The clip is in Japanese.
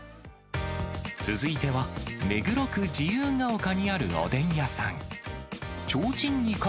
続いては、目黒区自由が丘にあるおでん屋さん。